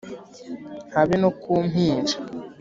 Habe no ku mpinja